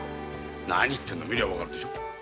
何言ってんだ見りゃ分かるでしょう。